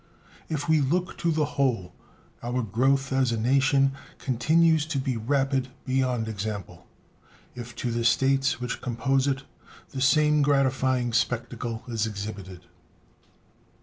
If we look to the whole, our growth as a nation continues to be rapid beyond example; if to the States which compose it, the same gratifying spectacle is exhibited.